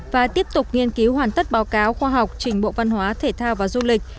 và tiếp tục nghiên cứu hoàn tất báo cáo khoa học trình bộ văn hóa thể thao và du lịch